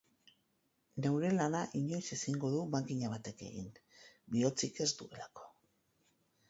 Neure lana inoiz ezingo du makina batek egin, bihotzik ez duelako.